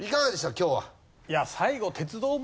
今日は。